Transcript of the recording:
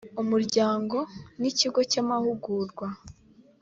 umuryango ni ikigo cy’ amahugurwa